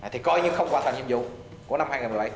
thì coi như không hoàn thành nhiệm vụ của năm hai nghìn một mươi bảy